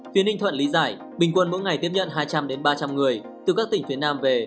tuyến ninh thuận lý giải bình quân mỗi ngày tiếp nhận hai trăm linh ba trăm linh người từ các tỉnh phía nam về